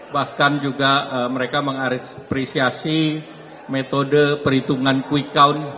bahkan juga mereka mengapresiasi metode perhitungan quick count